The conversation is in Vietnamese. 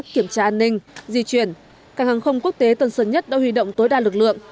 kiểm tra an ninh di chuyển cảng hàng không quốc tế tân sơn nhất đã huy động tối đa lực lượng